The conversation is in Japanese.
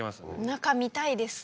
中見たいです